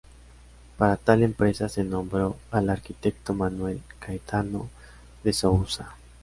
Para tal empresa se nombró al arquitecto Manuel Caetano de Sousa.